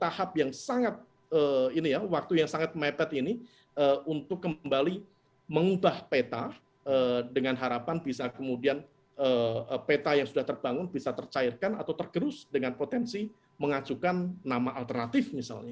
jadi kita harus mencari tahap yang sangat waktu yang sangat mepet ini untuk kembali mengubah peta dengan harapan bisa kemudian peta yang sudah terbangun bisa tercairkan atau tergerus dengan potensi mengajukan nama alternatif misalnya